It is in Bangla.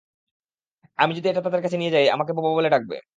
আমি যদি এটা তাদের কাছে নিয়ে যাই, আমাকে বোকা বলে ডাকবে।